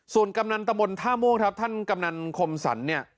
ส่วนกำนันตะบลท่าม่วงท่านกำนันคมสัญ